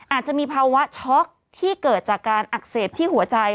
อาจจะมีภาวะช็อกที่เกิดจากการอักเสบที่หัวใจ